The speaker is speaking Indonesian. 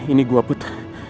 ini gua put